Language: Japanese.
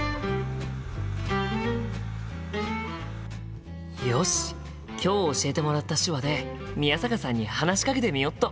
心の声よし今日教えてもらった手話で宮坂さんに話しかけてみよっと！